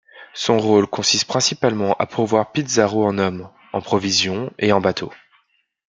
Son rôle consiste principalement à pourvoir Pizarro en hommes, en provisions et en bateaux.